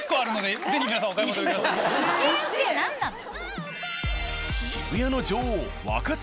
１円って何なの？